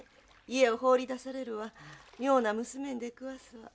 家をほうり出されるは妙な娘に出くわすは。